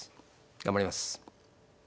頑張ります。